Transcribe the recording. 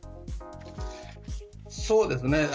そうですね。